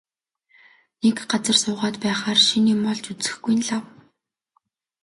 Нэг газар суугаад байхаар шинэ юм олж үзэхгүй нь лав.